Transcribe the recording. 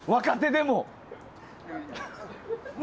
若手でも。